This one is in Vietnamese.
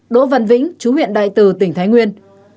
đỗ văn vĩnh chú huyện đại từ tỉnh thái nguyên